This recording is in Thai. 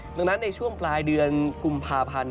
ดังนั้นในช่วงปลายเดือนกุมภาพันธ์